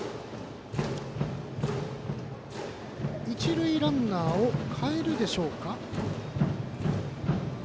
一塁ランナーを代えるでしょうか。